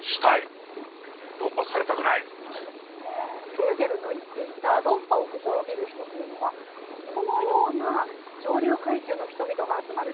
ヘーゲルの言っていた論破を試みる人というのはこのような上流階級の人々が集まる１８世紀